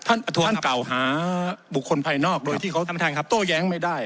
ท่านเก่าหาบุคคลภายนอกโดยที่เขาต้อย้างไม่ได้